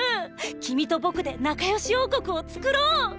君と僕で仲良し王国を作ろう！！